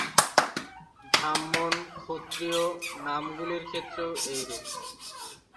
ব্রাহ্মণ, ক্ষত্রিয় নামগুলির ক্ষেত্রেও এইরূপ।